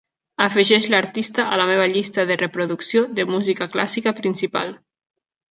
Afegeix l'artista a la meva llista de reproducció de música clàssica principal.